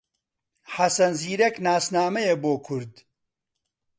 حەسەن زیرەک ناسنامەیە بۆ کورد